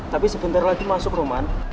tapi sebentar lagi masuk rumah